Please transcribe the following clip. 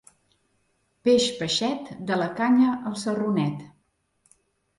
Peix, peixet, de la canya al sarronet.